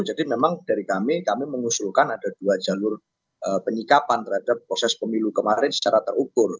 jadi memang dari kami kami mengusulkan ada dua jalur penyikapan terhadap proses pemilu kemarin secara terukur